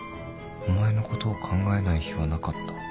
「お前のことを考えない日はなかった」